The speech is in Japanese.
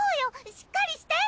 しっかりして！